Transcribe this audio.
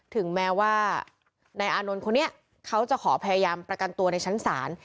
ถึงแม้ว่านายอานนท์คนนี้เขาจะขอพยายามประกันตัวในชั้นศาล